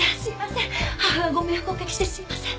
母がご迷惑をおかけしてすいません。